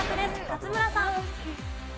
勝村さん。